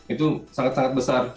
itu sangat sangat besar